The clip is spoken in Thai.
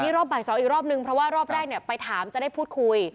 นี่รอบบ่าย๒อีกรอบนึงเพราะว่ารอบแรกเนี่ยไปถามจะได้พูดคุย